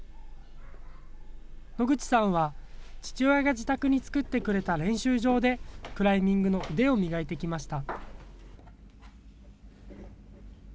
野口さんは父親が自宅に作ってくれた練習場でクライミングの腕を磨いてきました。